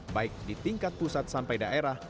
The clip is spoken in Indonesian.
baik di tingkat pusat sampai daerah